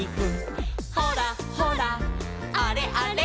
「ほらほらあれあれ」